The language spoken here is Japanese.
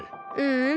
ううん。